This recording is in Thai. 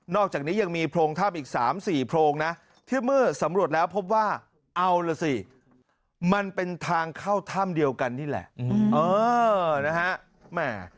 อกจากนี้ยังมีโพรงถ้ำอีก๓๔โพรงนะที่เมื่อสำรวจแล้วพบว่าเอาล่ะสิมันเป็นทางเข้าถ้ำเดียวกันนี่แหละ